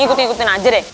ikut ikutin aja deh